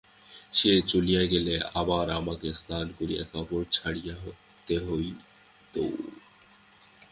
সে চলিয়া গেলে আবার আমাকে স্নান করিয়া কাপড় ছাড়িতে হইত।